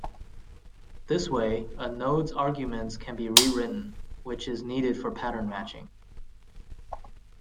This way, a node's arguments can be rewritten, which is needed for pattern matching.